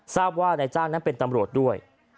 ทราบว่านายจ้างนั้นเป็นตำรวจด้วย